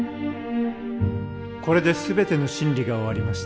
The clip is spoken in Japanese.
これで全ての審理が終わりました。